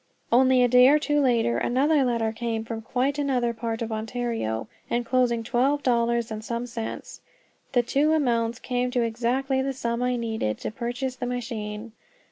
Only a day or two later another letter came, from quite another part of Ontario, enclosing twelve dollars and some cents. The two amounts came to exactly the sum I needed to purchase the machine.